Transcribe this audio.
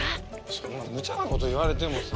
そんなむちゃな事言われてもさ。